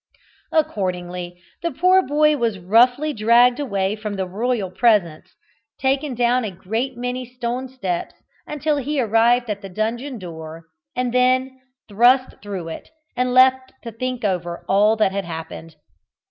Accordingly, the poor boy was roughly dragged away from the royal presence, taken down a great many stone steps, until he arrived at the dungeon door, and then thrust through it, and left to think over all that had happened.